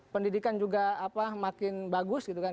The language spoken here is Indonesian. pendidikan juga makin bagus gitu kan